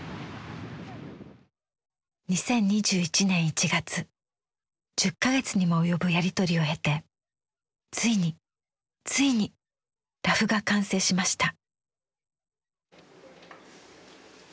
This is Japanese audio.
２０２１年１月１０か月にも及ぶやり取りを経てついについにラフが完成しました。